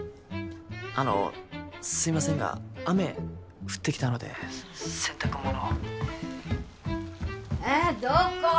あのすいませんが雨降ってきたので☎洗濯物をえっどこ？